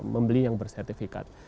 membeli yang bersertifikat